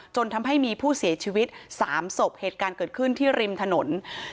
จนทำให้มีผู้เสียชีวิต๓ศพเหตุการณ์เกิดขึ้นที่ริมถนน